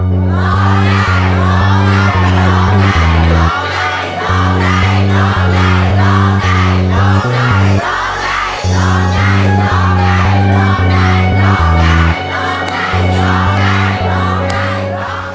ร้องได้ร้องได้ร้องได้